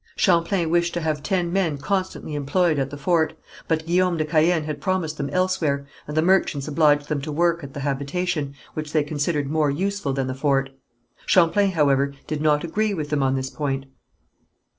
Champlain wished to have ten men constantly employed at the fort, but Guillaume de Caën had promised them elsewhere, and the merchants obliged them to work at the habitation, which they considered more useful than the fort. Champlain, however, did not agree with them on this point.